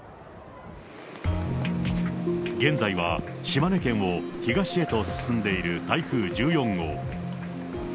現在は島根県を東へと進んでいる台風１４号。